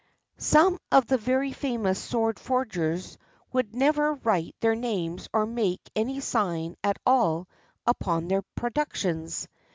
Some of the very famous sword forgers would never write their names or make any sign at all upon their productions.